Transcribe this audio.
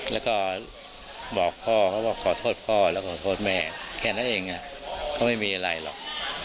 แล้วก็บอกพ่อเขาบอกขอโทษพ่อและขอโทษแม่แค่นั้นเองก็ไม่มีอะไรหรอก